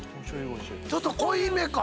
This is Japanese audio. ちょっと濃いめか。